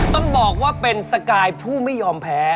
ต้องบอกว่าเป็นสกายผู้ไม่ยอมแพ้